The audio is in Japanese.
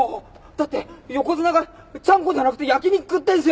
だって横綱がちゃんこじゃなくて焼き肉食ってんすよ！？